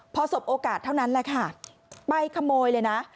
พอสบโอกาสเท่านั้นแหละค่ะไปขโมยเลยนะ